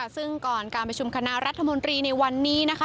ซึ่งก่อนการประชุมคณะรัฐมนตรีในวันนี้นะคะ